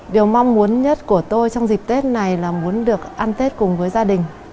điều mong muốn nhất của tôi trong dịp tết này là muốn được ăn tết cùng với gia đình